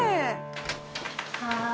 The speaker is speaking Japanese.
はい。